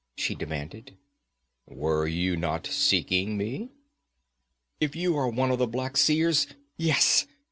she demanded. 'Were you not seeking me?' 'If you are one of the Black Seers yes!'